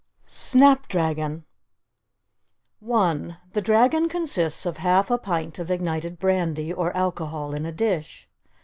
SNAPDRAGON 1. The dragon consists of half a pint of ignited brandy or alcohol in a dish.